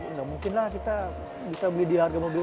nggak mungkin lah kita bisa beli di harga mobil